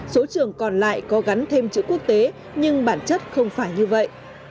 số trường còn lại có gắn thêm chữ quốc tế nhưng bản chất không phải như vậy